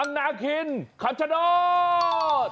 วังนาคินคำชะโน้ต